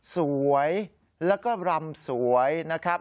สวยแล้วก็รำสวยนะครับ